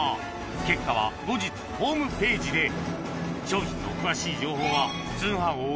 結果は後日ホームページで商品の詳しい情報はそしてうわ！